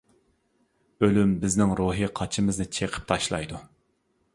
ئۆلۈم بىزنىڭ روھىي قاچىمىزنى چېقىپ تاشلايدۇ.